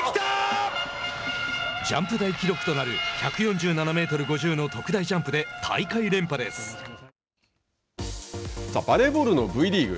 ジャンプ台記録となる１４７メートル５０の特大ジャンプでさあバレーボールのＶリーグ。